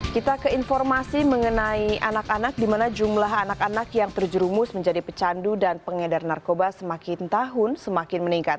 kita ke informasi mengenai anak anak di mana jumlah anak anak yang terjerumus menjadi pecandu dan pengedar narkoba semakin tahun semakin meningkat